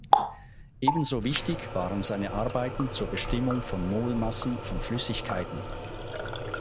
Ebenso wichtig waren seine Arbeiten zur Bestimmung von Molmassen von Flüssigkeiten.